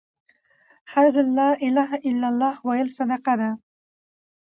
هر ځل لا إله إلا لله ويل صدقه ده